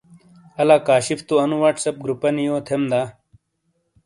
الا کاشف تو انو واٹس اپ گروپانی یو تھیم دا؟